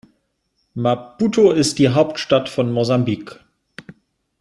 Maputo ist die Hauptstadt von Mosambik.